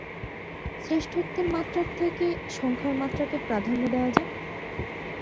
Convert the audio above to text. শ্রেষ্ঠত্বের মাত্রার থেকে সংখ্যার মাত্রাকে প্রাধান্য দেয়া যাক।